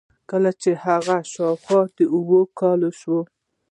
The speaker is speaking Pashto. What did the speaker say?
کله چې هغه شاوخوا د اوو کالو شو.